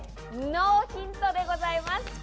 ノーヒントでございます。